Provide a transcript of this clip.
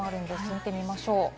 見ていきましょう。